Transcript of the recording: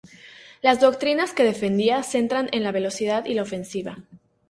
Las doctrinas que defendía centran en la velocidad y la ofensiva.